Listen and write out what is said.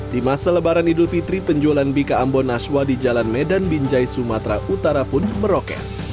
di masa lebaran idul fitri penjualan bika ambon naswa di jalan medan binjai sumatera utara pun meroket